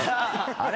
あれ？